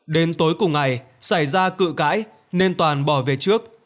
đến tối cùng ngày xảy ra cự cãi nên toàn bỏ về trước